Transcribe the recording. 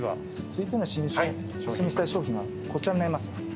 続いての商品はこちらになります。